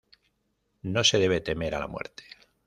No se debe temer a la muerte.